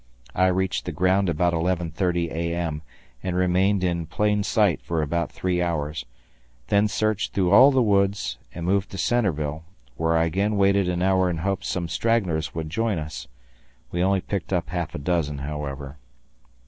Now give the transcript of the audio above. I reached the ground about 11.30 A.M. and remained in plain sight for about three hours; then searched through all the woods and moved to Centreville, where I again waited an hour in hopes some stragglers would Join us. We only picked up half a dozen, however.